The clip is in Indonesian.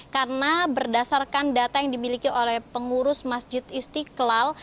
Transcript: karena berdasarkan data yang dimiliki oleh pengurus masjid istiqlal